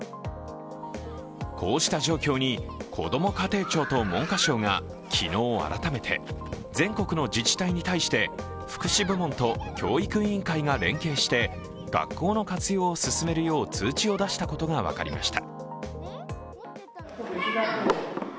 こうした状況にこども家庭庁と文科省が昨日、改めて全国の自治体に対して福祉部門と教育委員会が連携して学校の活用を進めるよう通知を出したことが分かりました。